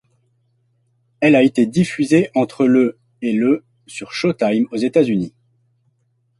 Elle a été diffusée entre le et le sur Showtime, aux États-Unis.